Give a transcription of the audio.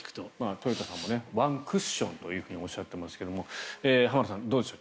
豊田さんもワンクッションとおっしゃっていますが浜田さん、どうでしょう。